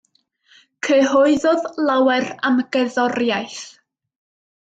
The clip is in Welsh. Cyhoeddodd lawer am gerddoriaeth.